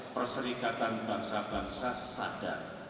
perserikatan bangsa bangsa sadar